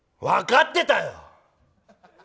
分かってたよ！